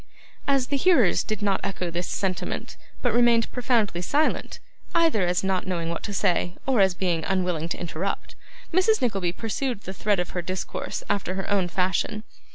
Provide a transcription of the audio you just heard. As the hearers did not echo this sentiment, but remained profoundly silent, either as not knowing what to say, or as being unwilling to interrupt, Mrs. Nickleby pursued the thread of her discourse after her own fashion.